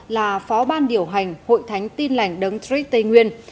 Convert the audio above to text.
là phó ban điều hành hội thánh tin lành đấng trích tây nguyên